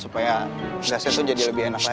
supaya dasnya tuh jadi lebih enak lagi